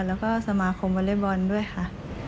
แล้วก็สมาคมวอเล็กบอลด้วยค่ะ